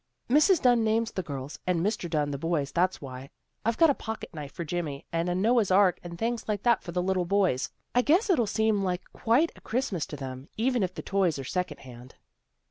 "" Mrs. Dunn names the girls, and Mr. Dunn the boys, that's why. I've got a pocket knife for Jimmy, and a Noah's ark and things like that for the little boys. I guess it'll seem like quite a Christmas to them, even if the toys are second hand."